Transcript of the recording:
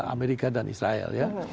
amerika dan israel